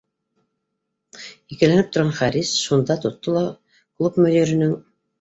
Икеләнеп торған Харис шунда тотто ла клуб мөдиренең